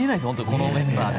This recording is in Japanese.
このメンバーで。